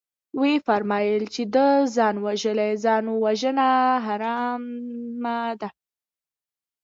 ويې فرمايل چې ده ځان وژلى ځانوژنه حرامه ده.